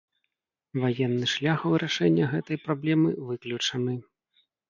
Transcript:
Ваенны шлях вырашэння гэтай праблемы выключаны.